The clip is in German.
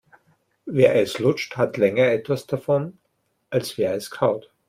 Wer es lutscht, hat länger etwas davon, als wer es kaut.